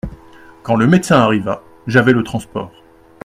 Quand le médecin arriva, j'avais le transport.